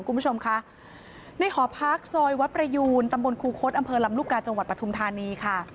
คุณผู้ชมคะในหอพักซอยวัดประยูนตำบลครูคดอำเภอลำลูกกาจังหวัดปทุมธานีค่ะ